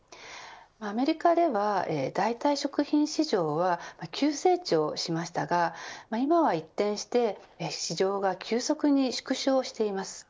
アメリカでは代替食品市場は急成長しましたが今は一転して市場が急速に縮小しています。